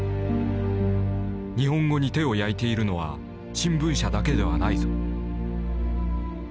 「日本語に手を焼いているのは新聞社だけではないぞ」。